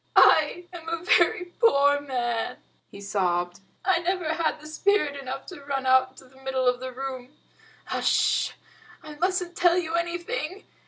"I am a very poor man," he sobbed. "I never had spirit enough to run out into the middle of the room. H'sh! I mustn't tell you anything.